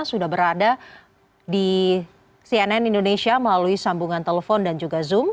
sudah berada di cnn indonesia melalui sambungan telepon dan juga zoom